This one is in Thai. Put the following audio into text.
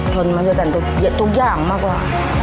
ทนมาด้วยกันทุกอย่างมากกว่า